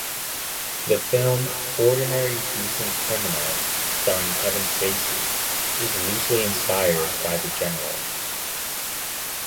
The film "Ordinary Decent Criminal", starring Kevin Spacey, is loosely inspired by the General.